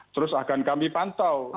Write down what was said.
terus akan kami pantau